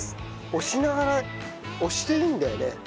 押しながら押していいんだよね？